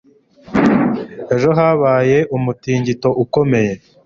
Ejo habaye umutingito ukomeye.